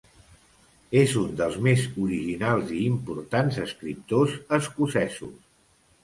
És un dels més originals i importants escriptors escocesos.